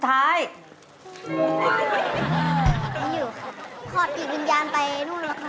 ต้องบอกเลยบอกว่าสู้สุดใจจริงเลยลูก